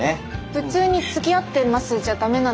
普通につきあってますじゃダメなんですか？